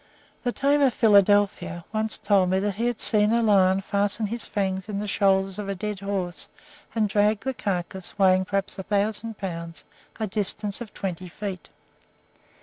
The tamer Philadelphia told me once that he had seen a lion fasten his fangs in the shoulder of a dead horse and drag the carcass, weighing perhaps a thousand pounds, a distance of twenty feet.